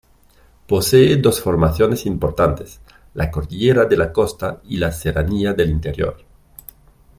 Posee dos formaciones importantes: la Cordillera de la Costa y la Serranía del Interior.